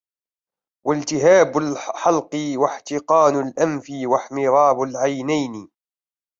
والتهاب الحلق واحتقان الأنف واحمرار العينين